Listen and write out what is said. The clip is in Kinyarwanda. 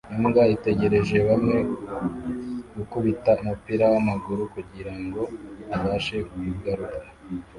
Imbwa itegereje bamwe gukubita umupira wamaguru kugirango abashe kugarura